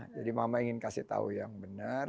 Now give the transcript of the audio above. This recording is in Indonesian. jadi mama ingin kasih tahu yang benar